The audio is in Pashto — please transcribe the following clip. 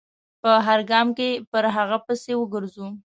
په هر ګام کې پر هغه پسې و ګرځي.